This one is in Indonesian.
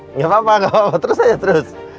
tidak apa apa tidak apa apa terus saja terus